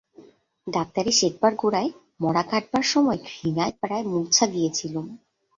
ডাক্তারি শেখবার গোড়ায় মড়া কাটবার সময় ঘৃণায় প্রায় মূর্ছা গিয়েছিলুম।